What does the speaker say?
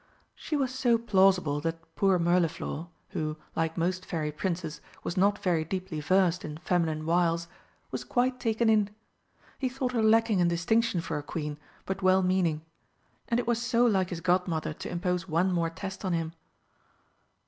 She was so plausible that poor Mirliflor, who, like most Fairy princes, was not very deeply versed in feminine wiles, was quite taken in. He thought her lacking in distinction for a Queen, but well meaning. And it was so like his Godmother to impose one more test on him.